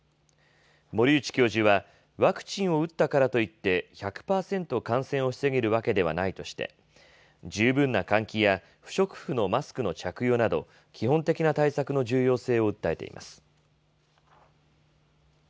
森内教授は、ワクチンを打ったからといって、１００％感染を防げるわけではないとして、十分な換気や不織布のマスクの着用など、基本的な対策の重要性を訴えています。